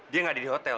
dia tidak ada di hotel